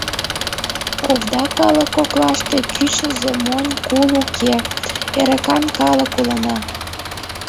Овда калык коклаште кӱчызӧ монь, кул уке — эрыкан калык улына!